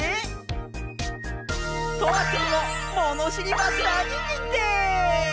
とわくんをものしりマスターににんてい！